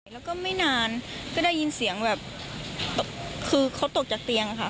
แล้วก็ไม่นานก็ได้ยินเสียงแบบคือเขาตกจากเตียงค่ะ